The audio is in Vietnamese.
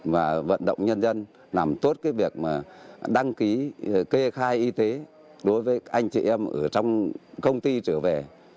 và vận động nhân dân làm tốt cái việc mà đăng ký kê khai y tế đối với anh chị em ở trong công ty trở về